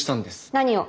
何を？